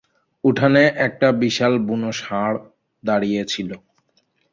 উঠানে একটা বিশাল বুনো ষাড় দাঁড়িয়ে ছিল।